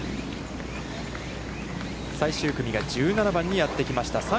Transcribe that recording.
最終組が１７番にやってきました。